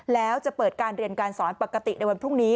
แล้วจะเปิดการเรียนการสอนปกติในวันพรุ่งนี้